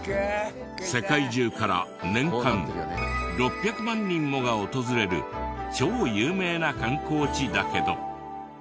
世界中から年間６００万人もが訪れる超有名な観光地だけど。